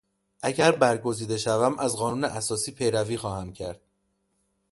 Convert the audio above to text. اگر برگزیده شوم از قانون اساسی پیروی خواهم کرد.